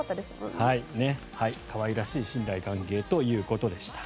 可愛らしい信頼関係ということでした。